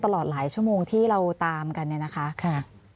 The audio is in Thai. ตลอดหลายชั่วโมงที่เราตามกันเนี่ยนะคะ